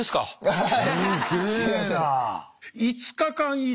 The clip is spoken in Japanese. はい。